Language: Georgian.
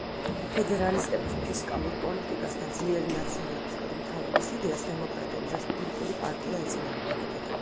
ფედერალისტების ფისკალურ პოლიტიკას და ძლიერი ნაციონალისტური მთავრობის იდეას დემოკრატიულ-რესპუბლიკური პარტია ეწინააღმდეგებოდა.